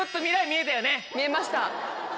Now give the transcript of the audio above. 見えました。